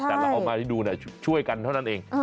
แต่เราเอามาให้ดูช่วยกันเท่านั้นเอง